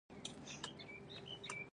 په دیني علومو باندې پوره تسلط نه لري.